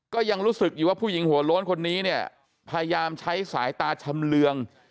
ก็ยังรู้สึกอยู่ว่าผู้หญิงหัวโล้นคนนี้เนี่ยพยายามใช้สายตาชำเรือง